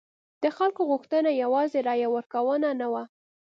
د خلکو غوښتنه یوازې رایه ورکونه نه وه.